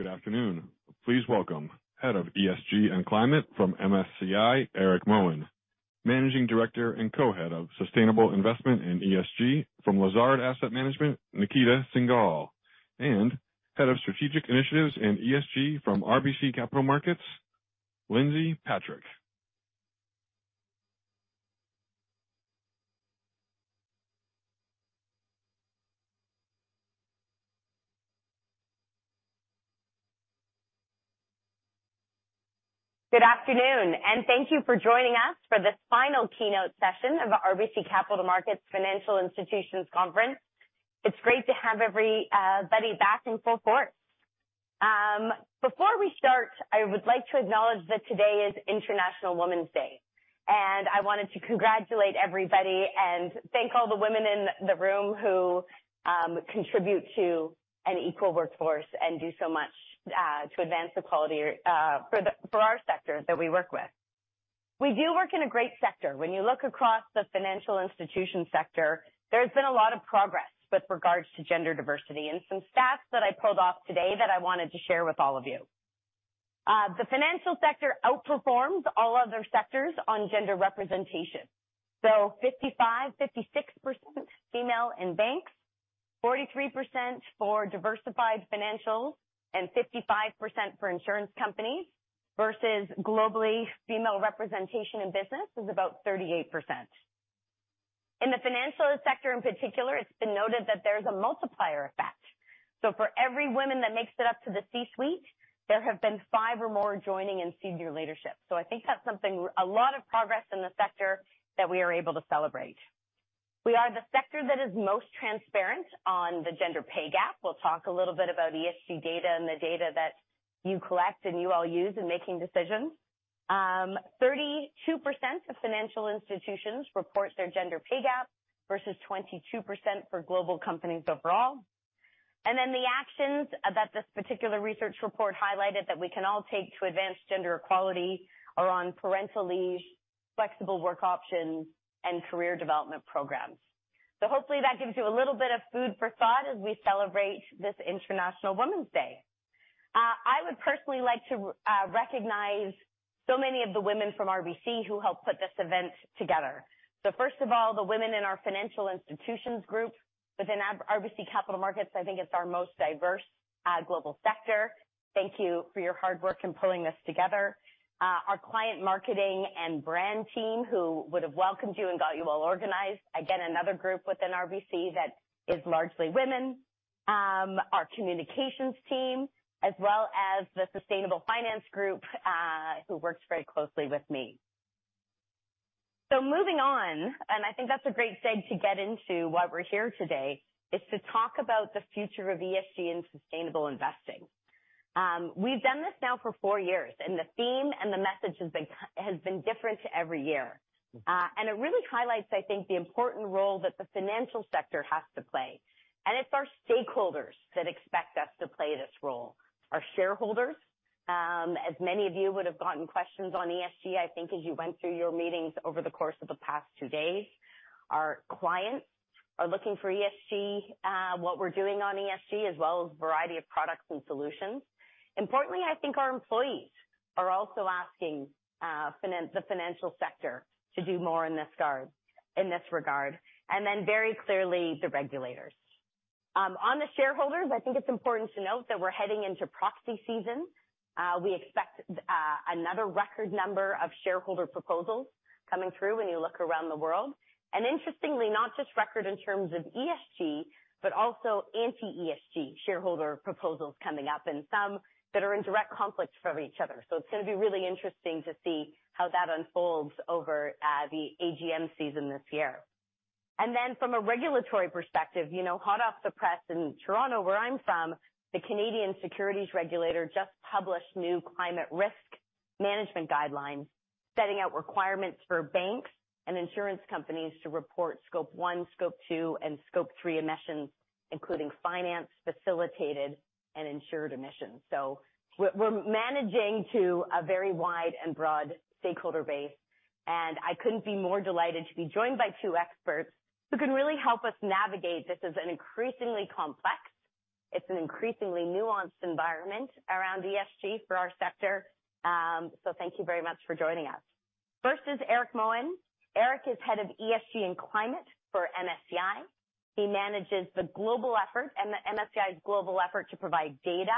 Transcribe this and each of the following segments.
Good afternoon. Please welcome Head of ESG and Climate from MSCI, Eric Moen. Managing Director and Co-head of Sustainable Investment and ESG from Lazard Asset Management, Nikita Singhal. Head of Strategic Initiatives and ESG from RBC Capital Markets, Lindsay Patrick. Good afternoon. Thank you for joining us for this final keynote session of our RBC Capital Markets Financial Institutions Conference. It's great to have everybody back in full force. Before we start, I would like to acknowledge that today is International Women's Day. I wanted to congratulate everybody and thank all the women in the room who contribute to an equal workforce and do so much to advance equality for our sector that we work with. We do work in a great sector. When you look across the financial institution sector, there's been a lot of progress with regards to gender diversity and some stats that I pulled off today that I wanted to share with all of you. The financial sector outperforms all other sectors on gender representation. 55-56% female in banks, 43% for diversified financials, and 55% for insurance companies versus globally, female representation in business is about 38%. In the financial sector, in particular, it's been noted that there's a multiplier effect. For every woman that makes it up to the C-suite, there have been five or more joining in senior leadership. I think that's something, a lot of progress in the sector that we are able to celebrate. We are the sector that is most transparent on the gender pay gap. We'll talk a little bit about ESG data and the data that you collect and you all use in making decisions. 32% of financial institutions report their gender pay gap versus 22% for global companies overall. The actions that this particular research report highlighted that we can all take to advance gender equality around parental leave, flexible work options, and career development programs. Hopefully that gives you a little bit of food for thought as we celebrate this International Women's Day. I would personally like to recognize so many of the women from RBC who helped put this event together. First of all, the women in our financial institutions group within RBC Capital Markets, I think it's our most diverse global sector. Thank you for your hard work in pulling this together. Our client marketing and brand team who would have welcomed you and got you all organized. Again, another group within RBC that is largely women. Our communications team, as well as the sustainable finance group, who works very closely with me. Moving on, I think that's a great segue to get into why we're here today, is to talk about the future of ESG and sustainable investing. We've done this now for four years, and the theme and the message has been different every year. It really highlights, I think, the important role that the financial sector has to play. It's our stakeholders that expect us to play this role. Our shareholders, as many of you would have gotten questions on ESG, I think, as you went through your meetings over the course of the past two days. Our clients are looking for ESG, what we're doing on ESG, as well as a variety of products and solutions. Importantly, I think our employees are also asking the financial sector to do more in this regard, and then very clearly the regulators. On the shareholders, I think it's important to note that we're heading into proxy season. We expect another record number of shareholder proposals coming through when you look around the world. Interestingly, not just record in terms of ESG, but also anti-ESG shareholder proposals coming up and some that are in direct conflict from each other. It's gonna be really interesting to see how that unfolds over the AGM season this year. From a regulatory perspective, you know, hot off the press in Toronto, where I'm from, the Canadian securities regulator just published new climate risk management guidelines, setting out requirements for banks and insurance companies to report Scope one, Scope two, and Scope three emissions, including finance, facilitated and insured emissions. We're managing to a very wide and broad stakeholder base, and I couldn't be more delighted to be joined by two experts who can really help us navigate. This is an increasingly complex, it's an increasingly nuanced environment around ESG for our sector. Thank you very much for joining us. First is Eric Moen. Eric is Head of ESG and Climate for MSCI. He manages the global effort and the MSCI's global effort to provide data,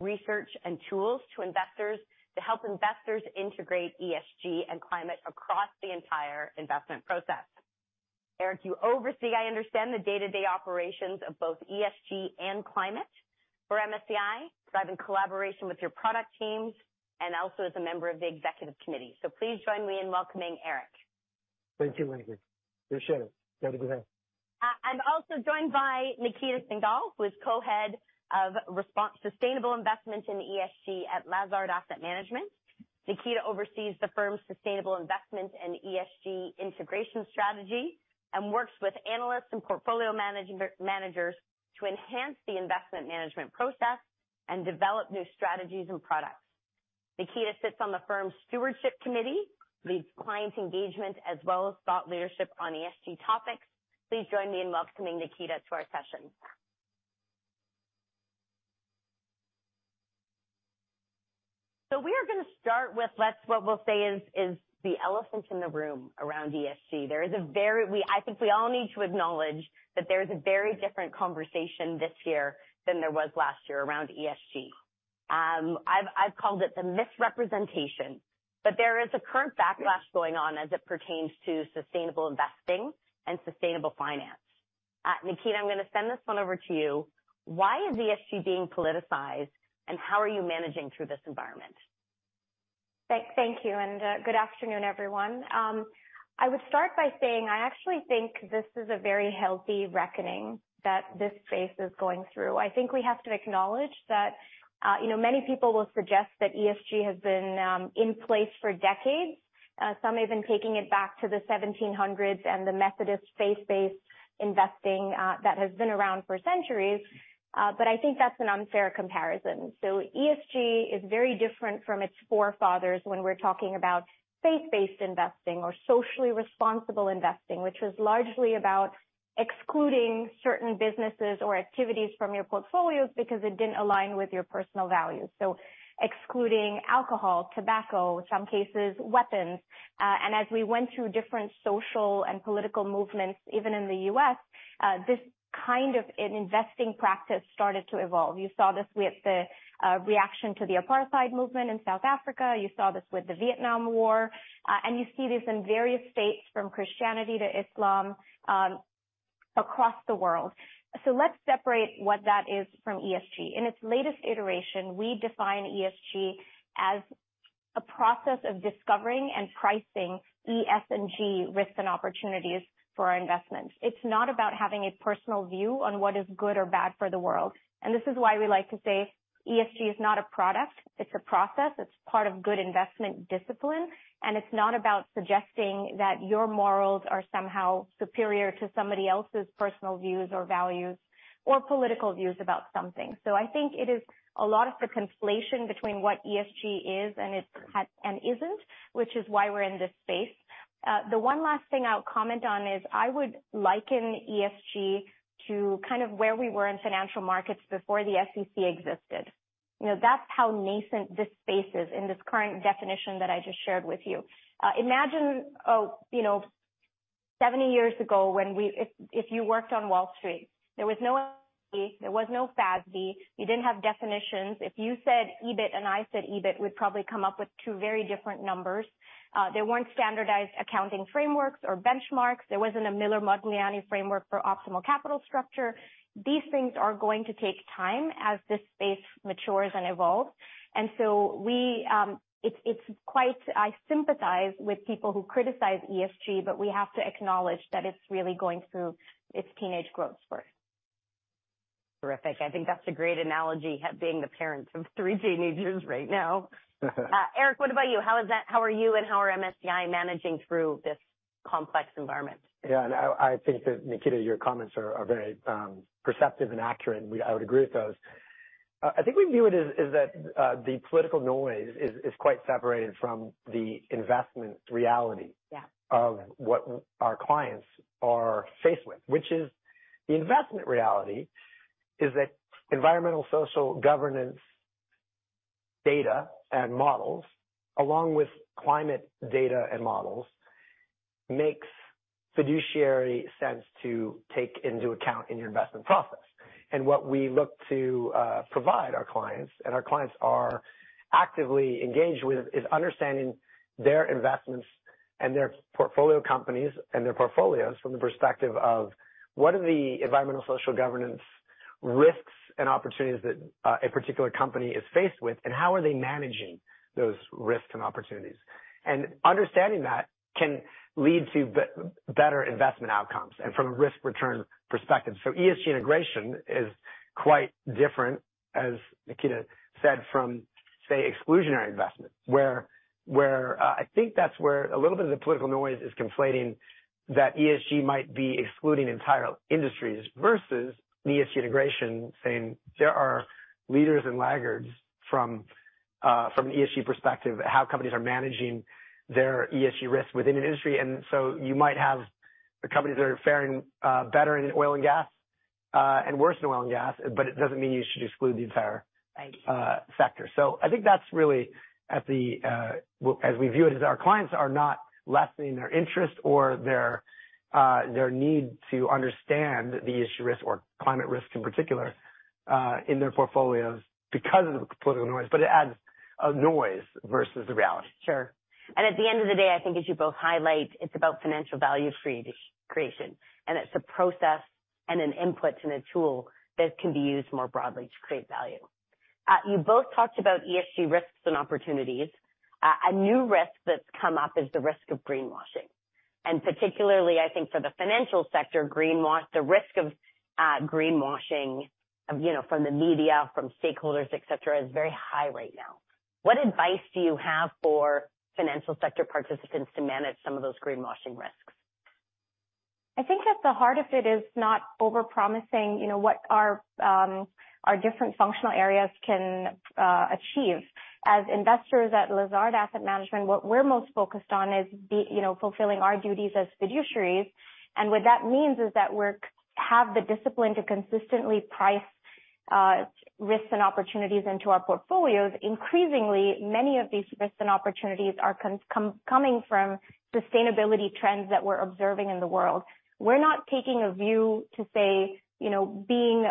research, and tools to investors to help investors integrate ESG and climate across the entire investment process. Eric, you oversee, I understand, the day-to-day operations of both ESG and climate for MSCI, driving collaboration with your product teams and also as a member of the executive committee. Please join me in welcoming Eric. Thank you, Lindsay. Appreciate it. You have a good night. I'm also joined by Nikita Singhal, who is Co-Head of Sustainable Investment in ESG at Lazard Asset Management. Nikita oversees the firm's sustainable investment and ESG integration strategy and works with analysts and portfolio managers to enhance the investment management process and develop new strategies and products. Nikita sits on the firm's stewardship committee, leads client engagement as well as thought leadership on ESG topics. Please join me in welcoming Nikita to our session. We are gonna start with what we'll say is the elephant in the room around ESG. There is a very different conversation this year than there was last year around ESG. I've called it the misrepresentation, but there is a current backlash going on as it pertains to sustainable investing and sustainable finance. Nikita, I'm gonna send this one over to you. Why is ESG being politicized, and how are you managing through this environment? Thank you and good afternoon, everyone. I would start by saying I actually think this is a very healthy reckoning that this space is going through. I think we have to acknowledge that, you know, many people will suggest that ESG has been in place for decades, some even taking it back to the 1700s and the Methodist faith-based investing that has been around for centuries, but I think that's an unfair comparison. ESG is very different from its forefathers when we're talking about faith-based investing or socially responsible investing, which was largely about excluding certain businesses or activities from your portfolios because it didn't align with your personal values. Excluding alcohol, tobacco, some cases, weapons. As we went through different social and political movements, even in the U.S., this kind of an investing practice started to evolve. You saw this with the reaction to the apartheid movement in South Africa. You saw this with the Vietnam War. You see this in various states from Christianity to Islam, across the world. Let's separate what that is from ESG. In its latest iteration, we define ESG as a process of discovering and pricing E, S, and G risks and opportunities for our investments. It's not about having a personal view on what is good or bad for the world. This is why we like to say ESG is not a product, it's a process. It's part of good investment discipline. It's not about suggesting that your morals are somehow superior to somebody else's personal views or values or political views about something. I think it is a lot of the conflation between what ESG is and isn't, which is why we're in this space. The one last thing I'll comment on is I would liken ESG to kind of where we were in financial markets before the SEC existed. You know, that's how nascent this space is in this current definition that I just shared with you. Imagine, you know, 70 years ago when if you worked on Wall Street. There was no FDIC, there was no FASB. You didn't have definitions. If you said EBIT and I said EBIT, we'd probably come up with two very different numbers. There weren't standardized accounting frameworks or benchmarks. There wasn't a Modigliani-Miller framework for optimal capital structure. These things are going to take time as this space matures and evolves. I sympathize with people who criticize ESG, but we have to acknowledge that it's really going through its teenage growth spurt. Terrific. I think that's a great analogy, being the parent of three teenagers right now. Eric, what about you? How are you and how are MSCI managing through this complex environment? I think that, Nikita, your comments are very perceptive and accurate. I would agree with those. I think we view it as that, the political noise is quite separated from the investment reality... Yeah... of what our clients are faced with, which is the investment reality is that environmental, social, governance data and models, along with climate data and models, makes fiduciary sense to take into account in your investment process. What we look to provide our clients, and our clients are actively engaged with, is understanding their investments and their portfolio companies and their portfolios from the perspective of what are the environmental social governance risks and opportunities that a particular company is faced with, and how are they managing those risks and opportunities? Understanding that can lead to better investment outcomes and from a risk-return perspective. ESG integration is quite different, as Nikita said, from, say, exclusionary investment, where, I think that's where a little bit of the political noise is conflating that ESG might be excluding entire industries versus ESG integration saying there are leaders and laggards from an ESG perspective, how companies are managing their ESG risk within an industry. You might have the companies that are faring better in oil and gas and worse in oil and gas, but it doesn't mean you should exclude the entire-. Right... sector. I think that's really at the as we view it, is our clients are not lessening their interest or their need to understand the issue risk or climate risk in particular, in their portfolios because of the political noise, but it adds a noise versus the reality. Sure. At the end of the day, I think as you both highlight, it's about financial value creation, and it's a process and an input and a tool that can be used more broadly to create value. You both talked about ESG risks and opportunities. A new risk that's come up is the risk of greenwashing. Particularly, I think for the financial sector, the risk of greenwashing, of, you know, from the media, from stakeholders, et cetera, is very high right now. What advice do you have for financial sector participants to manage some of those greenwashing risks? I think at the heart of it is not over-promising, you know, what our different functional areas can achieve. As investors at Lazard Asset Management, what we're most focused on is, you know, fulfilling our duties as fiduciaries. What that means is that we have the discipline to consistently price risks and opportunities into our portfolios. Increasingly, many of these risks and opportunities are coming from sustainability trends that we're observing in the world. We're not taking a view to say, you know, being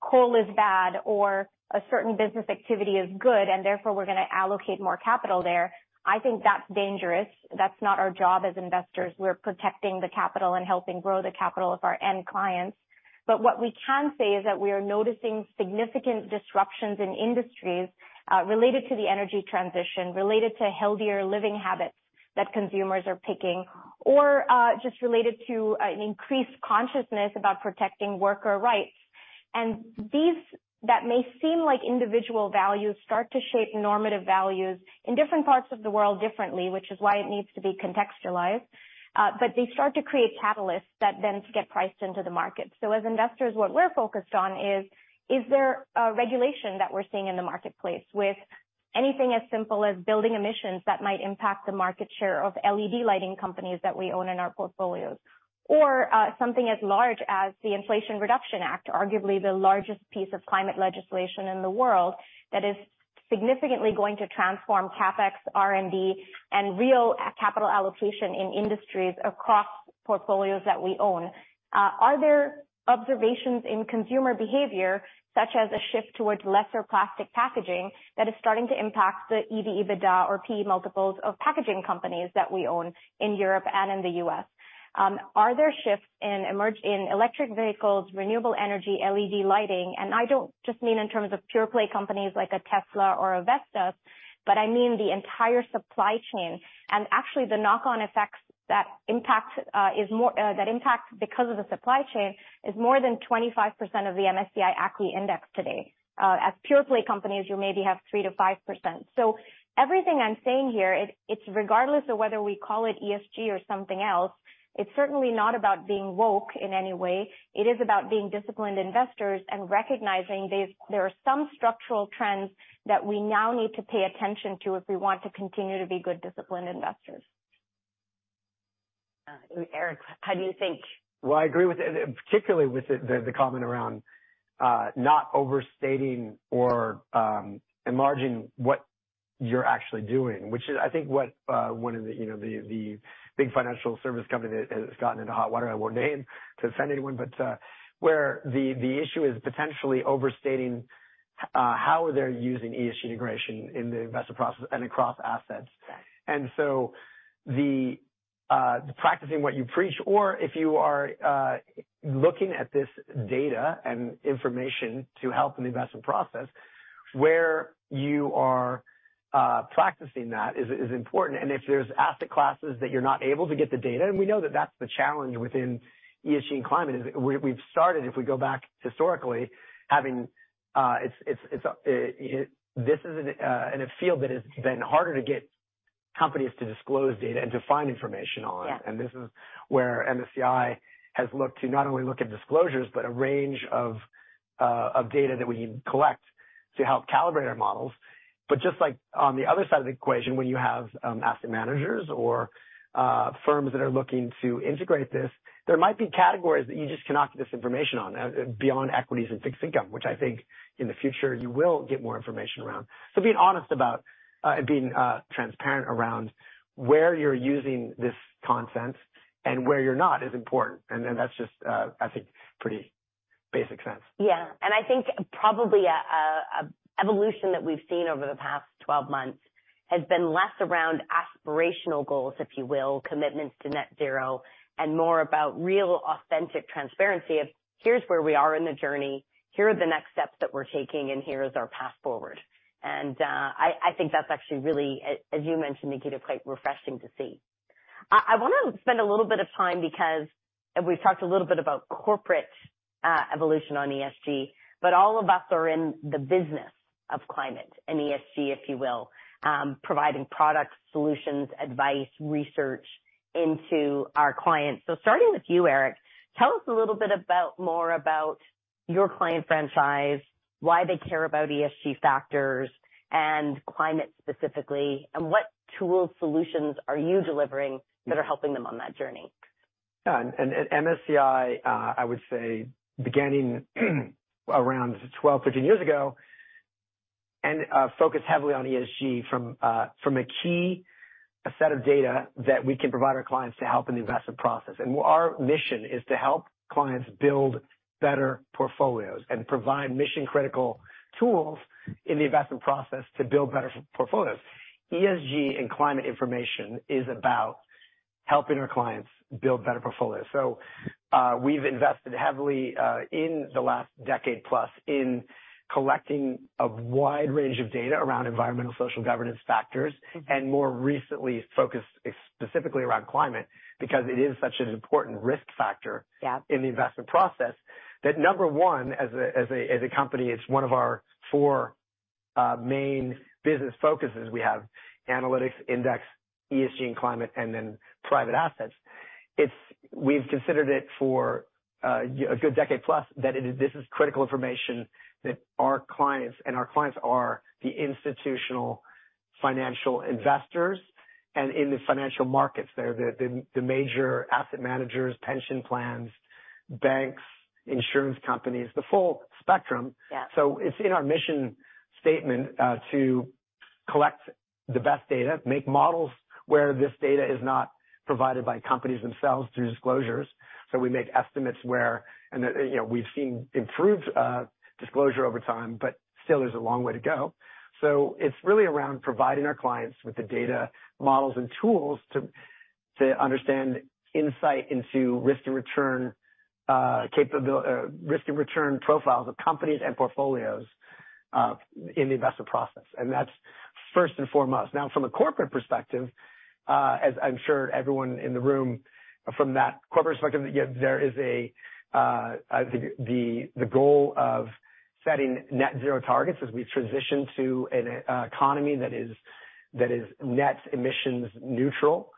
coal is bad or a certain business activity is good, and therefore we're gonna allocate more capital there. I think that's dangerous. That's not our job as investors. We're protecting the capital and helping grow the capital of our end clients. What we can say is that we are noticing significant disruptions in industries, related to the energy transition, related to healthier living habits that consumers are picking, or, just related to an increased consciousness about protecting worker rights. These that may seem like individual values start to shape normative values in different parts of the world differently, which is why it needs to be contextualized. They start to create catalysts that then get priced into the market. As investors, what we're focused on is there a regulation that we're seeing in the marketplace with anything as simple as building emissions that might impact the market share of LED lighting companies that we own in our portfolios? Something as large as the Inflation Reduction Act, arguably the largest piece of climate legislation in the world that is significantly going to transform CapEx, R&D, and real capital allocation in industries across portfolios that we own. Are there observations in consumer behavior such as a shift towards lesser plastic packaging that is starting to impact the EBITDA or P/E multiples of packaging companies that we own in Europe and in the US? Are there shifts in electric vehicles, renewable energy, LED lighting? I don't just mean in terms of pure-play companies like a Tesla or a Vestas, but I mean the entire supply chain. Actually the knock-on effects that impact because of the supply chain is more than 25% of the MSCI ACWI Index today. As pure-play companies, you maybe have 3%-5%. Everything I'm saying here, it's regardless of whether we call it ESG or something else, it's certainly not about being woke in any way. It is about being disciplined investors and recognizing there are some structural trends that we now need to pay attention to if we want to continue to be good, disciplined investors. Eric, how do you think? Well, I agree with particularly with the comment around not overstating or enlarging what you're actually doing, which is I think what one of the, you know, the big financial service company that has gotten into hot water, I won't name to offend anyone, but where the issue is potentially overstating how they're using ESG integration in the investment process and across assets. Yeah. The practicing what you preach or if you are looking at this data and information to help in the investment process, where you are practicing that is important. If there's asset classes that you're not able to get the data, and we know that that's the challenge within ESG and climate, is we've started, if we go back historically, having this is a field that has been harder to get companies to disclose data and to find information on. Yeah. This is where MSCI has looked to not only look at disclosures, but a range of data that we collect to help calibrate our models. Just like on the other side of the equation, when you have asset managers or firms that are looking to integrate this, there might be categories that you just cannot get this information on, beyond equities and fixed income, which I think in the future you will get more information around. Being honest about being transparent around where you're using this content and where you're not is important. Then that's just, I think pretty basic sense. Yeah. I think probably an evolution that we've seen over the past 12 months has been less around aspirational goals, if you will, commitments to net zero, and more about real authentic transparency of here's where we are in the journey, here are the next steps that we're taking, and here is our path forward. I think that's actually really, as you mentioned, Nikita, quite refreshing to see. I want to spend a little bit of time because we've talked a little bit about corporate evolution on ESG, but all of us are in the business of climate and ESG, if you will, providing products, solutions, advice, research into our clients. Starting with you, Eric, tell us a little bit more about your client franchise, why they care about ESG factors and climate specifically, and what tools, solutions are you delivering that are helping them on that journey? Yeah. MSCI, I would say beginning around 12, 15 years ago, focus heavily on ESG from a key set of data that we can provide our clients to help in the investment process. Our mission is to help clients build better portfolios and provide mission-critical tools in the investment process to build better portfolios. ESG and climate information is about helping our clients build better portfolios. We've invested heavily, in the last decade plus in collecting a wide range of data around environmental social governance factors, and more recently focused specifically around climate because it is such an important risk factor. Yeah in the investment process. That number one, as a company, it's one of our four main business focuses, we have analytics, index, ESG and climate, and then private assets. We've considered it for a good decade plus that this is critical information that our clients, and our clients are the institutional financial investors, and in the financial markets, they're the major asset managers, pension plans, banks, insurance companies, the full spectrum. Yeah. It's in our mission statement to collect the best data, make models where this data is not provided by companies themselves through disclosures. We make estimates where... And, you know, we've seen improved disclosure over time, but still there's a long way to go. It's really around providing our clients with the data, models and tools to understand insight into risk and return, risk and return profiles of companies and portfolios in the investment process. That's first and foremost. Now, from a corporate perspective, as I'm sure everyone in the room from that corporate perspective, there is the goal of setting net zero targets as we transition to an economy that is, that is net emissions neutral.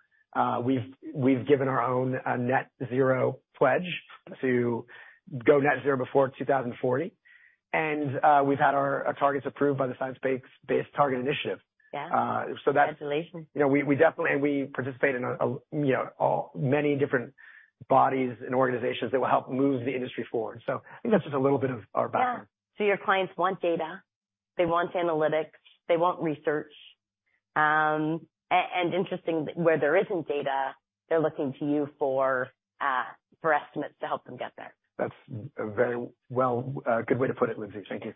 We've given our own net zero pledge to go net zero before 2040. We've had our targets approved by the Science Based Targets initiative. Yeah. Uh, so that- Congratulations. You know, we participate in, you know, many different bodies and organizations that will help move the industry forward. I think that's just a little bit of our background. Yeah. Your clients want data, they want analytics, they want research. Interesting, where there isn't data, they're looking to you for estimates to help them get there. That's a very well, good way to put it, Lindsey. Thank you.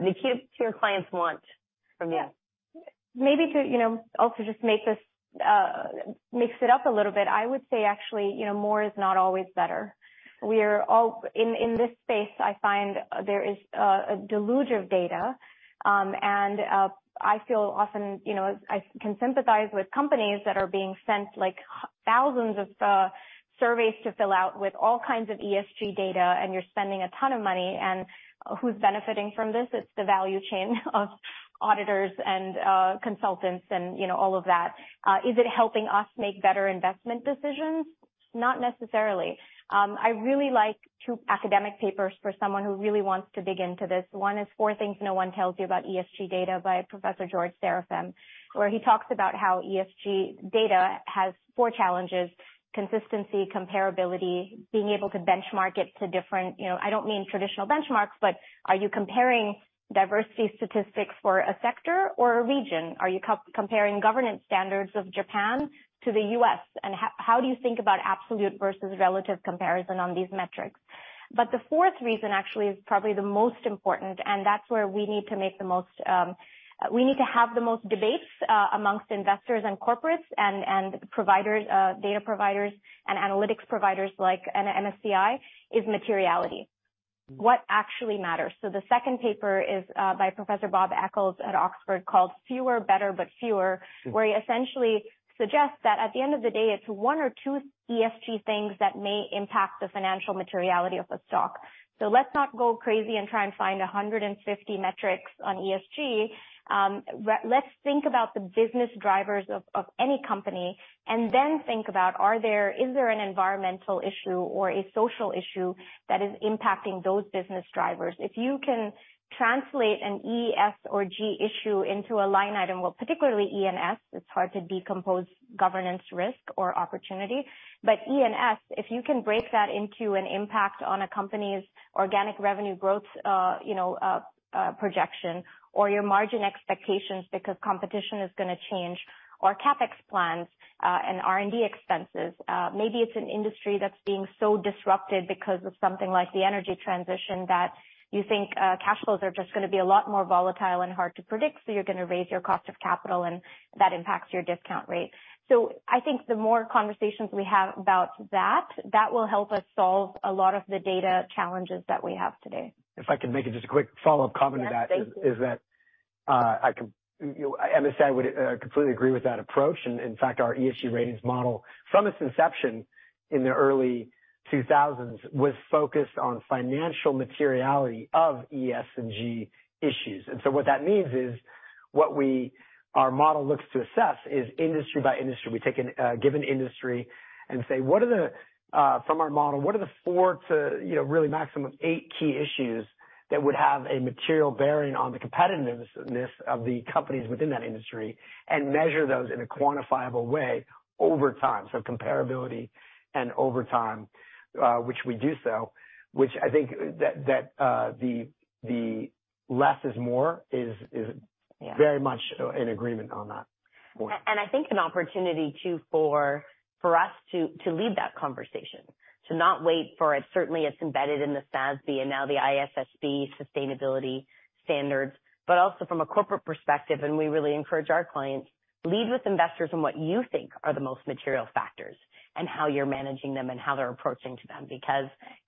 Nikita, what your clients want from you. Yeah. Maybe to, you know, also just make this mix it up a little bit, I would say actually, you know, more is not always better. In, in this space, I find there is a deluge of data. I feel often, you know, I can sympathize with companies that are being sent like thousands of surveys to fill out with all kinds of ESG data. You're spending a ton of money, and who's benefiting from this? It's the value chain of auditors and consultants and, you know, all of that. Is it helping us make better investment decisions? Not necessarily. I really like two academic papers for someone who really wants to dig into this. One is Four Things No One Tells You About ESG Data by Professor George Serafeim, where he talks about how ESG data has four challenges: consistency, comparability, being able to benchmark it to different, you know, I don't mean traditional benchmarks, but are you comparing diversity statistics for a sector or a region? Are you comparing governance standards of Japan to the US? How do you think about absolute versus relative comparison on these metrics? The fourth reason actually is probably the most important, and that's where we need to make the most, we need to have the most debates amongst investors and corporates and providers, data providers and analytics providers like MSCI is materiality. What actually matters? The second paper is by Professor Bob Eccles at Oxford called Fewer, Better, But Fewer, where he essentially suggests that at the end of the day, it's one or two ESG things that may impact the financial materiality of a stock. Let's not go crazy and try and find 150 metrics on ESG. Let's think about the business drivers of any company and then think about, is there an environmental issue or a social issue that is impacting those business drivers? If you can translate an E, S, or G issue into a line item, well, particularly E and S, it's hard to decompose governance risk or opportunity. E and S, if you can break that into an impact on a company's organic revenue growth, you know, projection or your margin expectations because competition is gonna change or CapEx plans and R&D expenses, maybe it's an industry that's being so disrupted because of something like the energy transition that you think cash flows are just gonna be a lot more volatile and hard to predict, so you're gonna raise your cost of capital and that impacts your discount rate. I think the more conversations we have about that will help us solve a lot of the data challenges that we have today. If I can make just a quick follow-up comment to that. Yeah. Thank you. Is that MSCI would completely agree with that approach. In fact, our ESG Ratings model from its inception in the early 2000s was focused on financial materiality of E, S and G issues. What that means is our model looks to assess is industry by industry. We take an given industry and say, what are the from our model, what are the four to, you know, really maximum of eight key issues that would have a material bearing on the competitiveness of the companies within that industry and measure those in a quantifiable way over time. Comparability and over time, which we do so, which I think that the less is more is. Yeah. very much in agreement on that. I think an opportunity too for us to lead that conversation, to not wait for it. Certainly it's embedded in the SASB and now the ISSB sustainability standards, but also from a corporate perspective, and we really encourage our clients, lead with investors on what you think are the most material factors and how you're managing them and how they're approaching to them.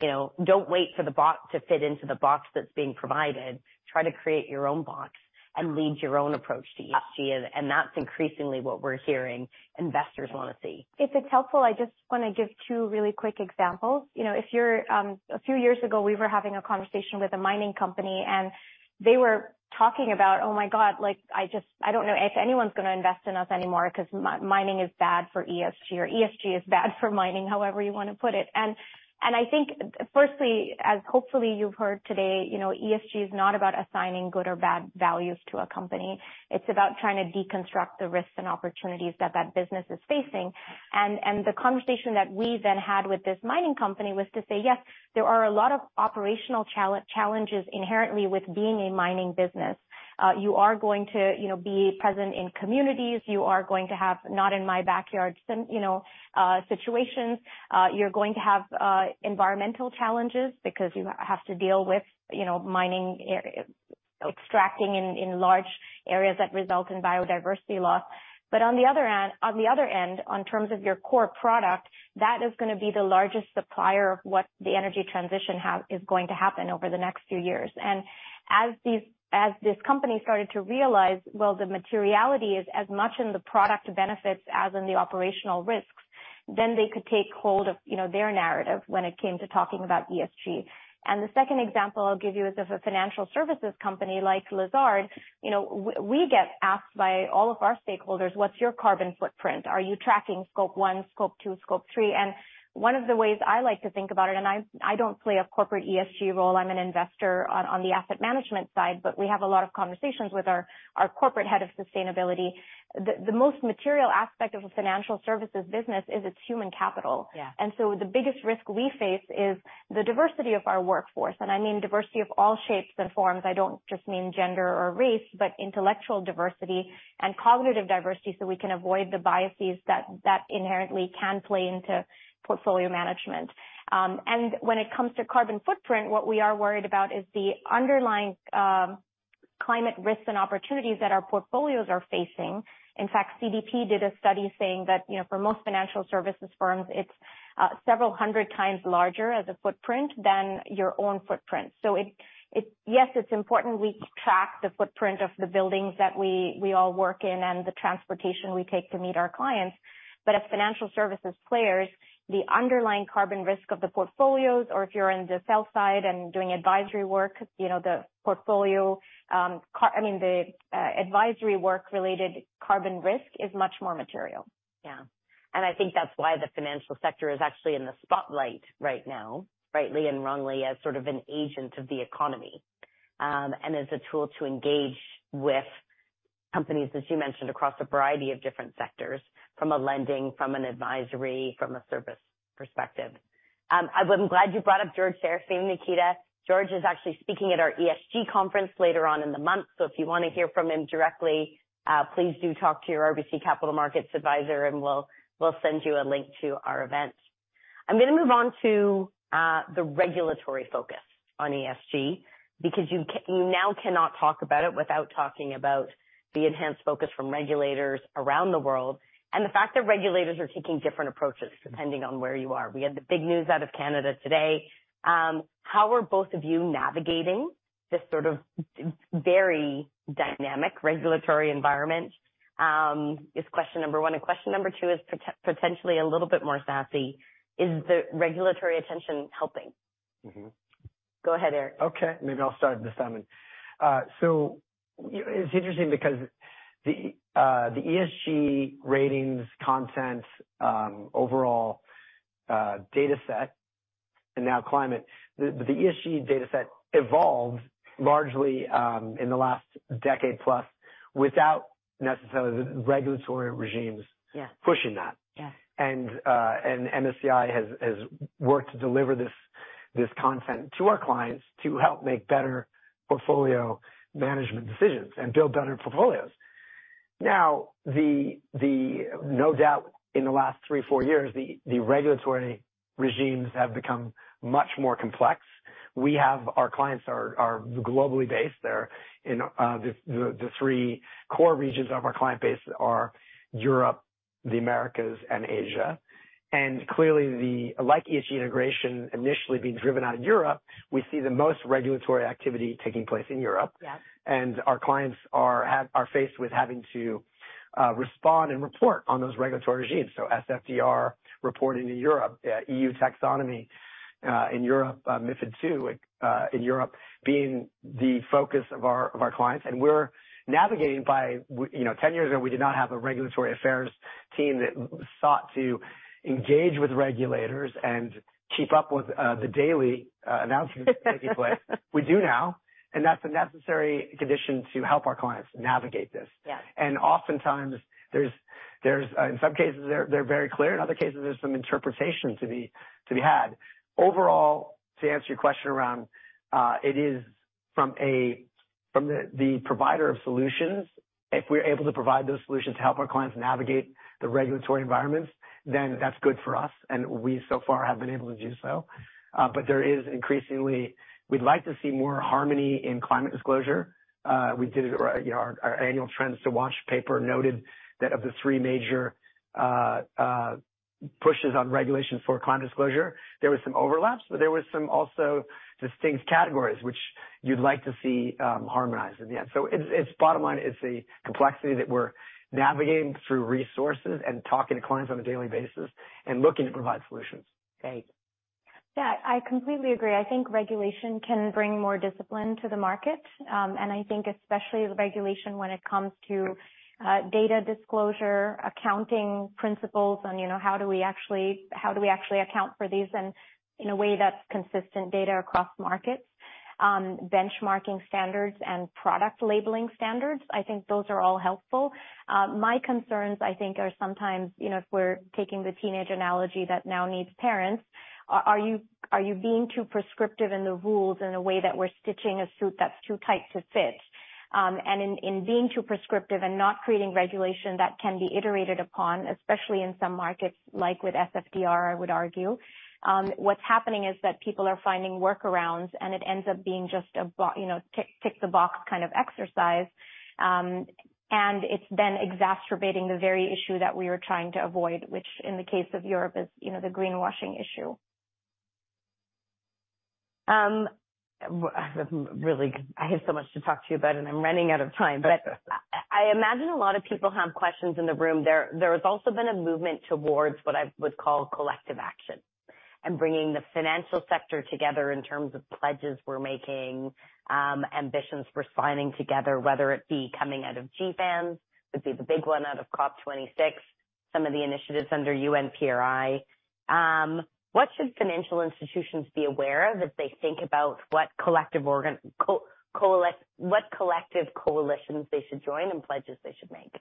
You know, don't wait for the box to fit into the box that's being provided. Try to create your own box and lead your own approach to ESG. That's increasingly what we're hearing investors wanna see. If it's helpful, I just wanna give two really quick examples. You know, if you're. A few years ago, we were having a conversation with a mining company, they were talking about, "Oh, my God, like, I don't know if anyone's gonna invest in us anymore 'cause mining is bad for ESG or ESG is bad for mining," however you wanna put it. I think firstly, as hopefully you've heard today, you know, ESG is not about assigning good or bad values to a company. It's about trying to deconstruct the risks and opportunities that that business is facing. The conversation that we then had with this mining company was to say, yes, there are a lot of operational challenges inherently with being a mining business. You are going to, you know, be present in communities. You are going to have not in my backyard, you know, situations. You're going to have environmental challenges because you have to deal with, you know, mining extracting in large areas that result in biodiversity loss. On the other end, on terms of your core product, that is gonna be the largest supplier of what the energy transition is going to happen over the next few years. As this company started to realize, well, the materiality is as much in the product benefits as in the operational risks, then they could take hold of, you know, their narrative when it came to talking about ESG. The second example I'll give you is of a financial services company like Lazard. You know, we get asked by all of our stakeholders, what's your carbon footprint? Are you tracking Scope one, Scope two, Scope three? One of the ways I like to think about it, and I don't play a corporate ESG role, I'm an investor on the asset management side, but we have a lot of conversations with our corporate head of sustainability. The most material aspect of a financial services business is its human capital. Yeah. The biggest risk we face is the diversity of our workforce, and I mean diversity of all shapes and forms. I don't just mean gender or race, but intellectual diversity and cognitive diversity so we can avoid the biases that inherently can play into portfolio management. When it comes to carbon footprint, what we are worried about is the underlying climate risks and opportunities that our portfolios are facing. In fact, CDP did a study saying that, you know, for most financial services firms, it's several hundred times larger as a footprint than your own footprint. It, yes, it's important we track the footprint of the buildings that we all work in and the transportation we take to meet our clients, but as financial services players, the underlying carbon risk of the portfolios or if you're in the sell side and doing advisory work, you know, the portfolio, I mean, the advisory work-related carbon risk is much more material. Yeah. I think that's why the financial sector is actually in the spotlight right now, rightly and wrongly, as sort of an agent of the economy, and as a tool to engage with companies, as you mentioned, across a variety of different sectors, from a lending, from an advisory, from a service perspective. I'm glad you brought up George Serafeim, Nikita. George is actually speaking at our ESG conference later on in the month, if you wanna hear from him directly, please do talk to your RBC Capital Markets advisor and we'll send you a link to our event. I'm gonna move on to the regulatory focus on ESG, you now cannot talk about it without talking about the enhanced focus from regulators around the world, and the fact that regulators are taking different approaches depending on where you are. We had the big news out of Canada today. How are both of you navigating this sort of very dynamic regulatory environment, is question number one? Question number two is potentially a little bit more sassy. Is the regulatory attention helping? Mm-hmm. Go ahead, Eric. Okay. Maybe I'll start this time then. It's interesting because the ESG Ratings content, overall, data set and now climate, the ESG data set evolved largely in the last decade plus without necessarily the regulatory regimes- Yeah. pushing that. Yeah. MSCI has worked to deliver this content to our clients to help make better portfolio management decisions and build better portfolios. No doubt in the last three, four years, the regulatory regimes have become much more complex. Our clients are globally based. They're in the three core regions of our client base are Europe, the Americas, and Asia. Clearly, the like-ish integration initially being driven out of Europe, we see the most regulatory activity taking place in Europe. Yeah. Our clients are faced with having to respond and report on those regulatory regimes. SFDR reporting to Europe, EU Taxonomy in Europe, MiFID II in Europe being the focus of our clients. We're navigating by, you know, 10 years ago, we did not have a regulatory affairs team that sought to engage with regulators and keep up with the daily announcements taking place. We do now, and that's a necessary condition to help our clients navigate this. Yeah. Oftentimes there's, in some cases they're very clear. In other cases, there's some interpretation to be had. Overall, to answer your question around, it is from the provider of solutions, if we're able to provide those solutions to help our clients navigate the regulatory environments, then that's good for us. We so far have been able to do so. There is increasingly... We'd like to see more harmony in climate disclosure. We did it, you know, our annual Trends to Watch paper noted that of the three major pushes on regulation for climate disclosure, there was some overlaps, but there was some also distinct categories which you'd like to see harmonized in the end. It's bottom line is the complexity that we're navigating through resources and talking to clients on a daily basis and looking to provide solutions. Great. Yeah, I completely agree. I think regulation can bring more discipline to the market. I think especially the regulation when it comes to data disclosure, accounting principles on, you know, how do we actually, how do we actually account for these and in a way that's consistent data across markets. Benchmarking standards and product labeling standards, I think those are all helpful. My concerns, I think, are sometimes, you know, if we're taking the teenage analogy that now needs parents, are you being too prescriptive in the rules in a way that we're stitching a suit that's too tight to fit? Being too prescriptive and not creating regulation that can be iterated upon, especially in some markets, like with SFDR, I would argue. What's happening is that people are finding workarounds, and it ends up being just a you know, tick the box kind of exercise. It's then exacerbating the very issue that we were trying to avoid, which in the case of Europe is, you know, the greenwashing issue. Really, I have so much to talk to you about. I'm running out of time. I imagine a lot of people have questions in the room. There has also been a movement towards what I would call collective action and bringing the financial sector together in terms of pledges we're making, ambitions we're signing together, whether it be coming out of GFANZ, would be the big one out of COP26. Some of the initiatives under UN PRI. What should financial institutions be aware of as they think about what collective coalitions they should join and pledges they should make?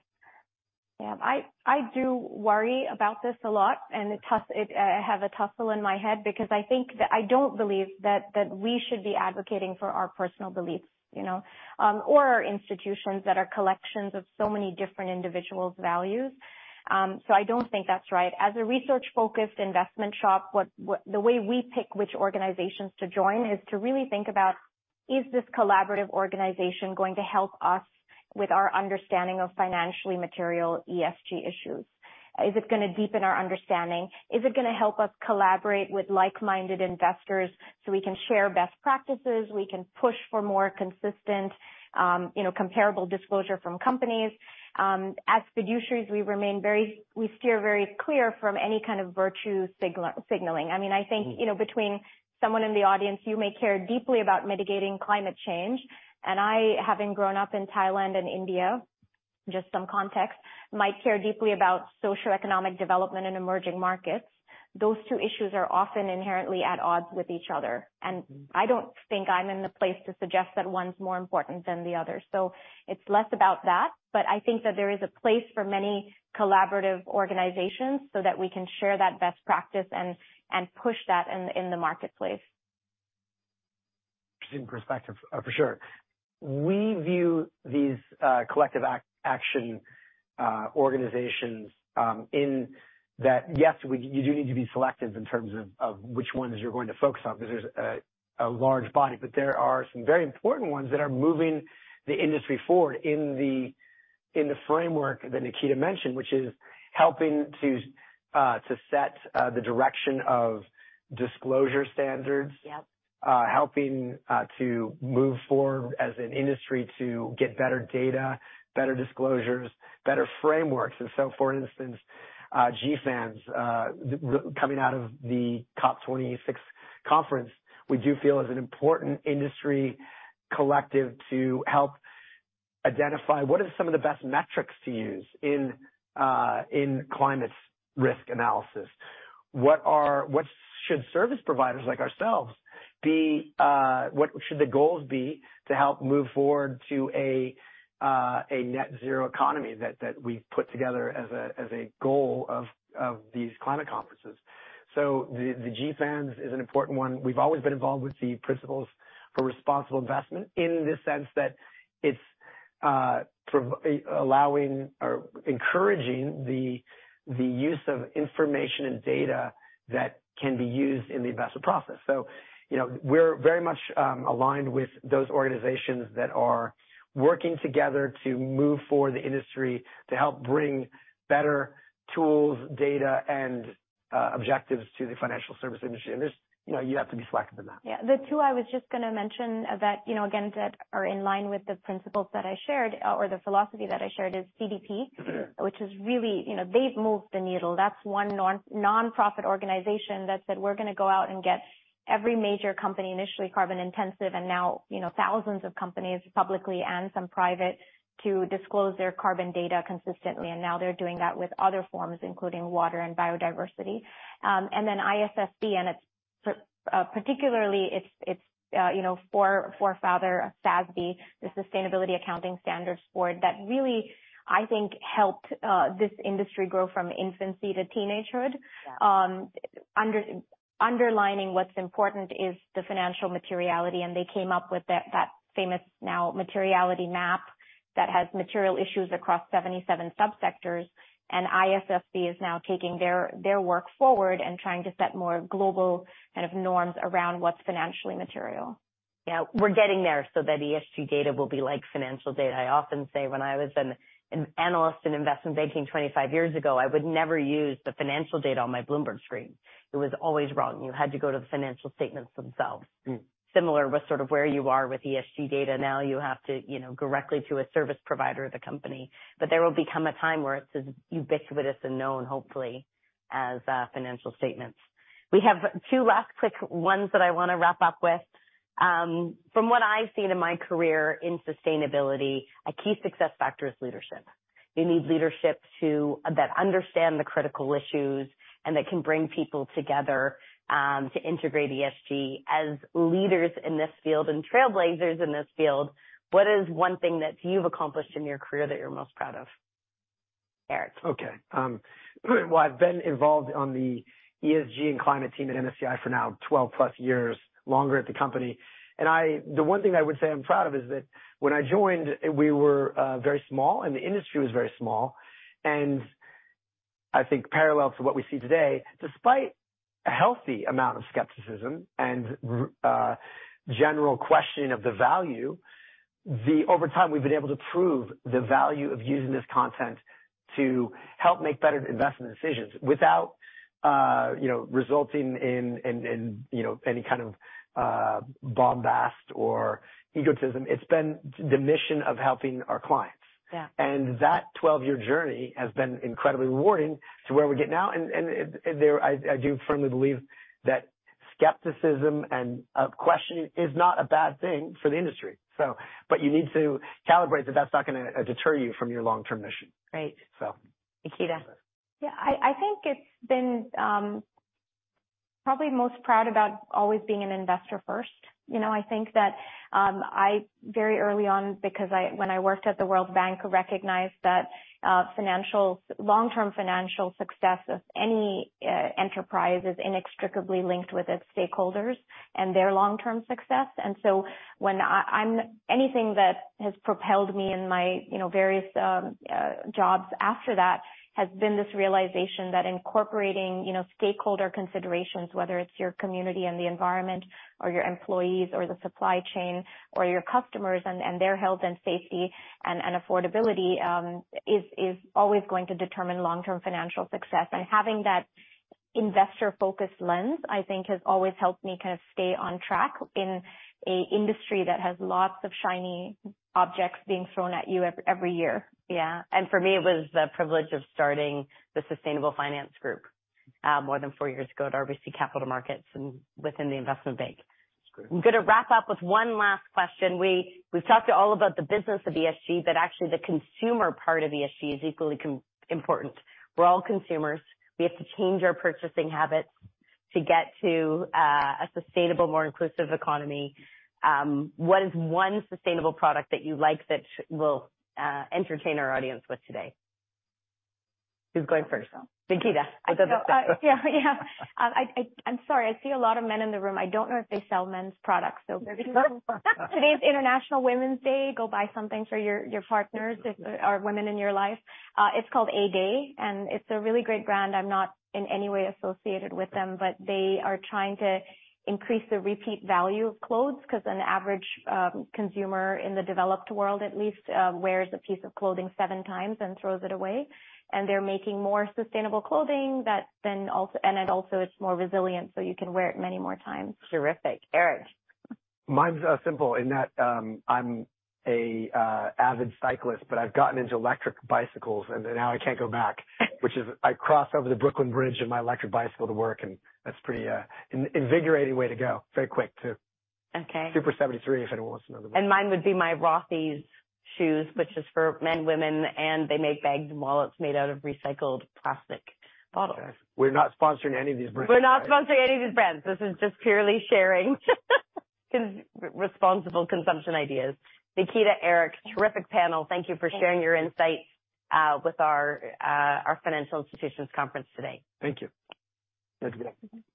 Yeah. I do worry about this a lot, and it have a tussle in my head because I think that I don't believe that we should be advocating for our personal beliefs, you know, or our institutions that are collections of so many different individuals' values. I don't think that's right. As a research-focused investment shop, the way we pick which organizations to join is to really think about, is this collaborative organization going to help us with our understanding of financially material ESG issues? Is it gonna deepen our understanding? Is it gonna help us collaborate with like-minded investors so we can share best practices, we can push for more consistent, you know, comparable disclosure from companies? As fiduciaries, we steer very clear from any kind of virtue signaling. I mean, I think, you know, between someone in the audience, you may care deeply about mitigating climate change. I, having grown up in Thailand and India, just some context, might care deeply about socioeconomic development in emerging markets. Those two issues are often inherently at odds with each other, and I don't think I'm in the place to suggest that one's more important than the other. It's less about that. I think that there is a place for many collaborative organizations so that we can share that best practice and push that in the marketplace. Interesting perspective, for sure. We view these collective action organizations, in that, yes, you do need to be selective in terms of which ones you're going to focus on 'cause there's a large body. There are some very important ones that are moving the industry forward in the framework that Nikita mentioned, which is helping to set the direction of disclosure standards. Yep. helping to move forward as an industry to get better data, better disclosures, better frameworks. For instance, GFANZ coming out of the COP26 conference. We do feel is an important industry collective to help identify what are some of the best metrics to use in climate risk analysis. What should service providers like ourselves be, what should the goals be to help move forward to a net zero economy that we've put together as a goal of these climate conferences. The GFANZ is an important one. We've always been involved with the Principles for Responsible Investment in the sense that it's allowing or encouraging the use of information and data that can be used in the investment process. You know, we're very much aligned with those organizations that are working together to move forward the industry to help bring better tools, data, and objectives to the financial service industry. There's, you know, you have to be selective in that. Yeah. The two I was just gonna mention that, you know, again, that are in line with the principles that I shared or the philosophy that I shared is CDP. Mm-hmm. Which is really, you know, they've moved the needle. That's one non-nonprofit organization that said, "We're gonna go out and get every major company, initially carbon intensive, and now, you know, thousands of companies, publicly and some private, to disclose their carbon data consistently." Now they're doing that with other forms, including water and biodiversity. Particularly, it's, you know, forefather SASB, the Sustainability Accounting Standards Board, that really, I think, helped this industry grow from infancy to teenagehood. Yeah. Underlining what's important is the financial materiality. They came up with that famous now Materiality Map that has material issues across 77 subsectors. ISSB is now taking their work forward and trying to set more global kind of norms around what's financially material. Yeah. We're getting there so that ESG data will be like financial data. I often say when I was an analyst in investment banking 25 years ago, I would never use the financial data on my Bloomberg screen. It was always wrong. You had to go to the financial statements themselves. Mm. Similar with sort of where you are with ESG data now, you have to, you know, directly to a service provider of the company. There will become a time where it's as ubiquitous and known, hopefully, as financial statements. We have two last quick ones that I wanna wrap up with. From what I've seen in my career in sustainability, a key success factor is leadership. You need leadership that understand the critical issues and that can bring people together to integrate ESG. As leaders in this field and trailblazers in this field, what is one thing that you've accomplished in your career that you're most proud of? Eric. Well, I've been involved on the ESG and climate team at MSCI for now 12+ years, longer at the company. The one thing I would say I'm proud of is that when I joined, we were very small, and the industry was very small. I think parallel to what we see today, despite a healthy amount of skepticism and general questioning of the value, over time, we've been able to prove the value of using this content to help make better investment decisions without, you know, resulting in, you know, any kind of bombast or egotism. It's been the mission of helping our clients. Yeah. That 12-year journey has been incredibly rewarding to where we get now. There-- I do firmly believe that skepticism and questioning is not a bad thing for the industry, so. You need to calibrate that that's not gonna deter you from your long-term mission. Great. So. Nikita. Yeah. I think it's been, probably most proud about always being an investor first. You know, I think that, I very early on because when I worked at the World Bank, recognized that, long-term financial success of any enterprise is inextricably linked with its stakeholders and their long-term success. When I, anything that has propelled me in my, you know, various, jobs after that has been this realization that incorporating, you know, stakeholder considerations, whether it's your community and the environment or your employees or the supply chain or your customers and their health and safety and affordability, is always going to determine long-term financial success. Having that investor-focused lens, I think has always helped me kind of stay on track in an industry that has lots of shiny objects being thrown at you every year. Yeah. For me, it was the privilege of starting the sustainable finance group, more than four years ago at RBC Capital Markets and within the investment bank. That's great. I'm gonna wrap up with one last question. We've talked all about the business of ESG, but actually the consumer part of ESG is equally important. We're all consumers. We have to change our purchasing habits to get to a sustainable, more inclusive economy. What is one sustainable product that you like that we'll entertain our audience with today? Who's going first? Nikita. What's it look like? Yeah. Yeah. I'm sorry. I see a lot of men in the room. I don't know if they sell men's products. They're good. Today's International Women's Day, go buy something for your partners or women in your life. It's called ADAY, and it's a really great brand. I'm not in any way associated with them, but they are trying to increase the repeat value of clothes because an average consumer in the developed world, at least, wears a piece of clothing seven times and throws it away. They're making more sustainable clothing and it also is more resilient, so you can wear it many more times. Terrific. Eric. Mine's simple in that I'm an avid cyclist, but I've gotten into electric bicycles, and now I can't go back. I cross over the Brooklyn Bridge in my electric bicycle to work, and that's a pretty invigorating way to go. Very quick, too. Okay. SUPER73, if anyone wants to know. Mine would be my Rothy's shoes, which is for men, women, and they make bags and wallets made out of recycled plastic bottles. We're not sponsoring any of these brands, right? We're not sponsoring any of these brands. This is just purely sharing responsible consumption ideas. Nikita, Eric, terrific panel. Thank you for sharing your insights with our Financial Institutions Conference today. Thank you. Thank you.